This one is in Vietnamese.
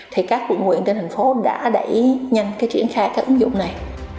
thì các quận nguyện trên thành phố đã đẩy nhanh triển khai cái ứng dụng này